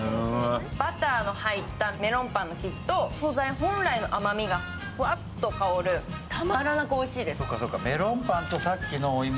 バターの入ったメロンパンの生地と素材本来の甘みがふわっと香るたまらなくおいしいです。